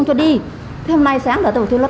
cho đúng quyết định của pháp luật